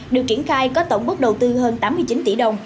được triển khai có tổng bức đầu tư hơn tám mươi chín tỷ đồng